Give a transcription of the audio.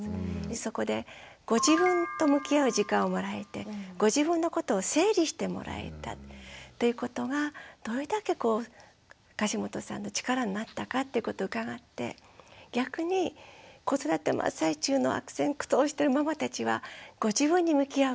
そこでご自分と向き合う時間をもらえてご自分のことを整理してもらえたということがどれだけ樫本さんの力になったかってことを伺って逆に子育て真っ最中の悪戦苦闘してるママたちはご自分に向き合うこと